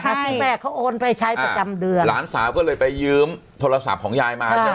ที่แม่เขาโอนไปใช้ประจำเดือนหลานสาวก็เลยไปยืมโทรศัพท์ของยายมาใช่ไหม